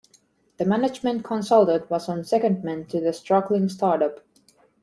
The management consultant was on secondment to the struggling start-up